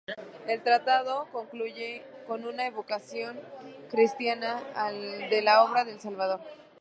El tratado concluye con una evocación cristiana de la obra del Salvador.